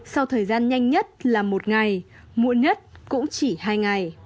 sau thời gian nhanh nhất là một ngày muộn nhất cũng chỉ hai ngày